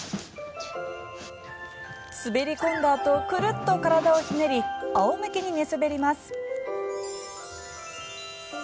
滑り込んだあとくるっと体をひねり仰向けに寝そべります。